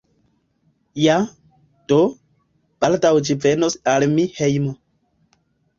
Ja, do, baldaŭ ĝi venos al mia hejmo